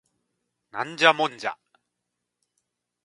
ナンジャモンジャ